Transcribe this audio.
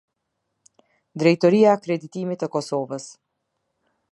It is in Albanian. Drejtoria e Akreditimit e Kosovës.